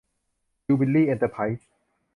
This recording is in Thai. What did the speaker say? ยูบิลลี่ เอ็นเตอร์ไพรส์